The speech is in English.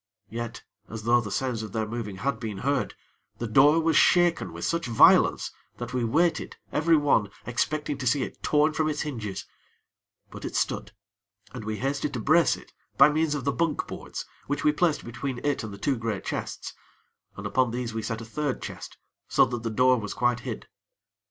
Yet, as though the sounds of their moving had been heard, the door was shaken with such violence that we waited, everyone, expecting to see it torn from its hinges; but it stood, and we hasted to brace it by means of the bunk boards, which we placed between it and the two great chests, and upon these we set a third chest, so that the door was quite hid.